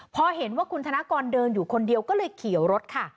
พอเห็นว่าคุณธนกรเดินอยู่คนเดียวก็เลยเขียวรถค่ะ